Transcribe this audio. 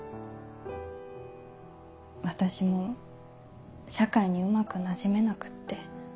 私も社会にうまくなじめなくって。